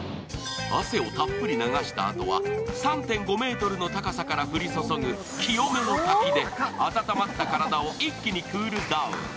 汗をたっぷり流したあとは３．５ｍの高さから降り注ぐきよめの滝で、温まった体を一気にクールダウン。